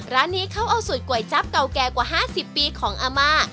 ร้านนี้เขาเอาสูตรก๋วยจั๊บเก่าแก่กว่า๕๐ปีของอาม่า